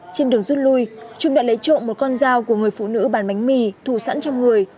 trên đường rút lui trung đã lấy trộm một con dao của người phụ nữ bán bánh mì thủ sẵn trong người